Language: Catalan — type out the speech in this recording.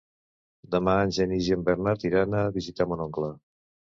Demà en Genís i en Bernat iran a visitar mon oncle.